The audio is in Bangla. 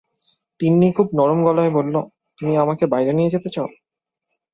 তিন্নি খুব নরম গলায় বলল, তুমি আমাকে বাইরে নিয়ে যেতে চাও?